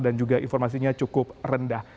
dan juga informasinya cukup rendah